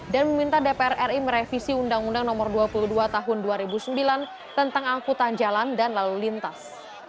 dan meminta dpr ri merevisi undang undang nomor dua puluh dua tahun dua ribu sembilan tentang angkutan jalan dan lalu lintas